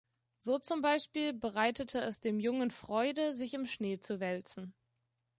So zum Beispiel bereitete es dem Jungen Freude, sich im Schnee zu wälzen.